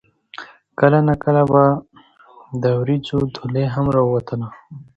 کله نا کله به د وريځو ډولۍ هم راوتله